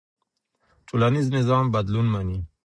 ټولنيز نظام بدلون مني.